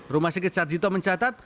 rumah sakit sarjito mencatat